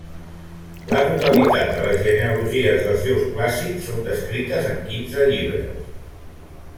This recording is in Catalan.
La totalitat de les genealogies dels Déus clàssics són descrites en quinze llibres.